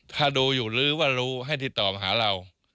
ถ้าดูอยู่หรือว่ารู้ให้ติดต่อมาหาเรา